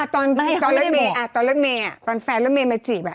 ตอนรถเมย์อ่ะตอนรถเมย์อ่ะตอนแฟนรถเมย์มาจีบอ่ะ